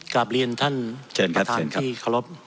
กลับเรนครับท่านประทานที่ขอรบ